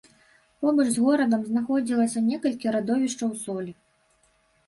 Побач з горадам знаходзілася некалькі радовішчаў солі.